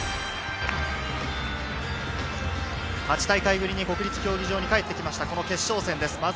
８大会ぶりに国立競技場にかえって来ました決勝戦です。